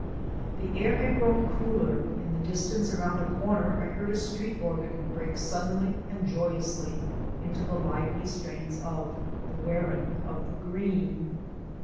The air had grown cooler; in the distance around a corner I heard a street organ break suddenly and joyously into the lively strains of "The Wearin' o' the Green."